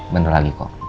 bentar lagi kok